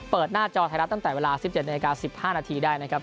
หน้าจอไทยรัฐตั้งแต่เวลา๑๗นาที๑๕นาทีได้นะครับ